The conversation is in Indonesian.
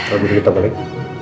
lagi berita balik